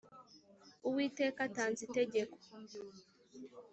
uwiteka atanze itegeko